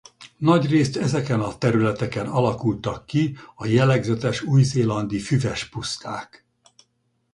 Nagyrészt ezeken a területeken alakultak ki a jellegzetes új-zélandi füves puszták.